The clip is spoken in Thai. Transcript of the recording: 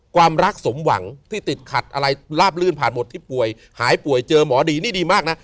ความรักสมหวังที่ติดขัดอะไรลาบลื่นผ่านหมดที่ป่วยหายป่วยเจอหมอดีนี่ดีมากนะ